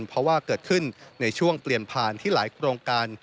เพราะว่าเกิดขึ้นในช่วงเปลี่ยนผ่านที่หลายโครงการ